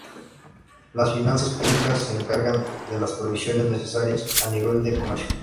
Las finanzas públicas se encargan de las provisiones necesarias a nivel de comercio.